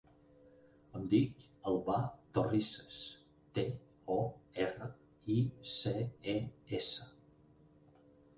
Em dic Albà Torices: te, o, erra, i, ce, e, essa.